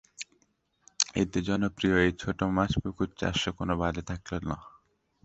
এতে জনপ্রিয় এই ছোট মাছ পুকুরে চাষে কোনো বাধা থাকল না।